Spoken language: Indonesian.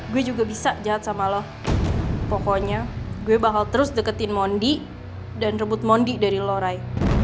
gue juga bisa jahat sama lo pokoknya gue bakal terus deketin mondi dan rebut mondi dari lorai